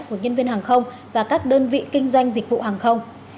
của nhân viên hàng không và các đơn vị kinh doanh dịch vụ hàng không